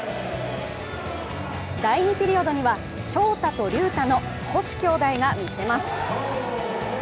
第２ピリオドには翔太と龍太の星兄弟が見せます。